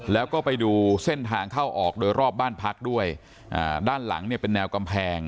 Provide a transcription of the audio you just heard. แล้วก็ไปดูเส้นทางเข้าออกโดยรอบบ้านพักด้วยอ่าด้านหลังเนี่ยเป็นแนวกำแพง